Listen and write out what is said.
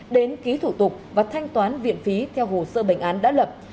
đến ký thủ tục và thanh toán viện phí theo hồ sơ bệnh án đã lập